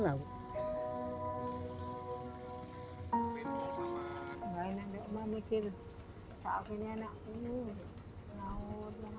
mbak mujana mikir saat ini anakku ini melaut